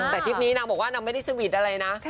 แต่ทริปนี้นางบอกว่านางไม่ได้สวีทอะไรนะ